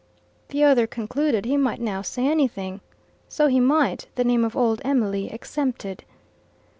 The other concluded he might now say anything. So he might the name of old Emily excepted.